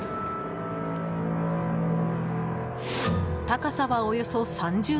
高さは、およそ３０ｍ。